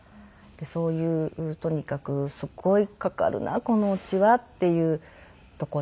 そういうとにかく「すごいかかるなこのお家は」っていう所でしたね。